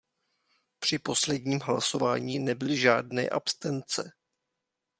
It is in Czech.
Při posledním hlasování nebyly žádné abstence.